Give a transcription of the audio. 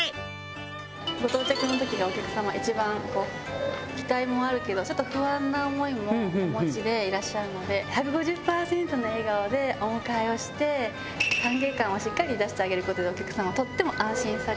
ご到着の時がお客様一番期待もあるけどちょっと不安な思いもお持ちでいらっしゃるので１５０パーセントの笑顔でお迎えをして歓迎感をしっかり出してあげる事でお客様とっても安心されて。